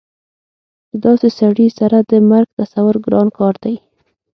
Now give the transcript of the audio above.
د داسې سړي سره د مرګ تصور ګران کار دی